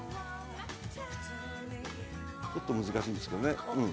ちょっと難しいんですけどね。